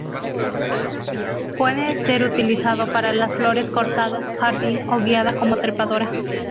Puede ser utilizado para las flores cortadas, jardín o guiada como trepadora.